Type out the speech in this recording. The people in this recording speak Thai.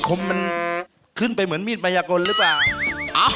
มมันขึ้นไปเหมือนมีดมายากลหรือเปล่า